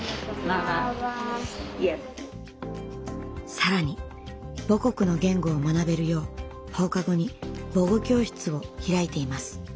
更に母国の言語を学べるよう放課後に母語教室を開いています。